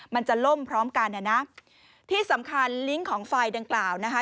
มันจะล่มพร้อมกันนะนะที่สำคัญลิงก์ของไฟดังกล่าวนะคะ